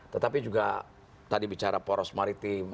tetapi juga tadi bicara poros maritim